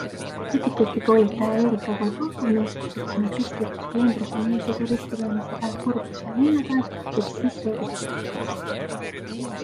Etiketikoolitaja Erika Kolbakov nõustus, et kuna kristlikus kalendris on Jeesuse ristilöömise päev kurbuse ja leina päev, võiks siis soovida head vaikset laupäeva.